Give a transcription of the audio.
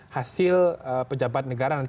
hasil pejabat negara nanti